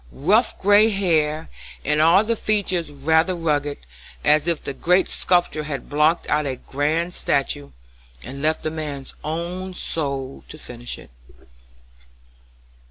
Rough gray hair, and all the features rather rugged, as if the Great Sculptor had blocked out a grand statue, and left the man's own soul to finish it.